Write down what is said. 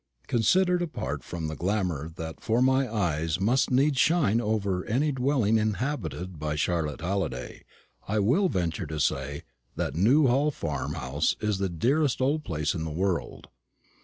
Considered apart from the glamour that for my eyes must needs shine over any dwelling inhabited by Charlotte Halliday, I will venture to say that Newhall farm house is the dearest old place in the world.